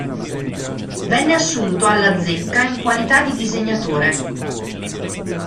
Venne assunto alla zecca in qualità di disegnatore.